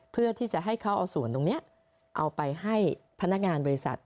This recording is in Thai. เพื่อที่จะให้เขาเอาส่วนตรงนี้เอาไปให้พนักงานบริษัท